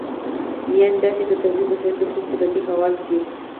یانې دا چې د تولید وسایل د کومې طبقې په واک کې دي.